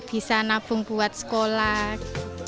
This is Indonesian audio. bisa nabung buat sekolah